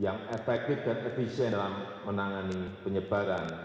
yang efektif dan efisien dalam menangani penyebaran